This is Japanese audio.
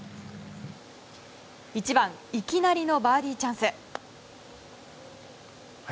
１番、いきなりのバーディーチャンス。